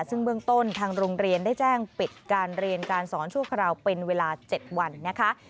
ซึ่งเบื้องต้นทางโรงเรียนได้แจ้งปิดการเรียนการสอนชั่วคราวเป็นเวลา๗วันนะคะ